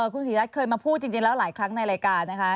คุณศรีรัฐเคยมาพูดจริงแล้วหลายครั้งในรายการนะคะ